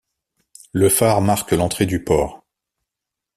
Le phare marque l'entrée du port.